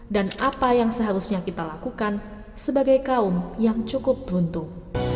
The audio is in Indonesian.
dan apa yang seharusnya kita lakukan sebagai kaum yang cukup beruntung